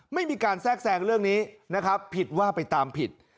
ไม่มีการแทรกแซงเรื่องนี้นะครับผิดว่าไปตามผิด